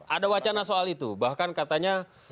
ada wacana soal itu bahkan katanya